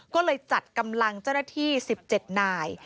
ก็เลยจัดกำลังเจ้าหน้าที่๑๗นาย